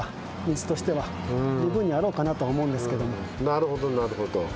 なるほどなるほど。